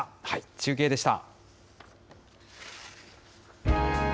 中継でした。